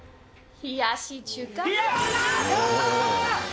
冷やし中華。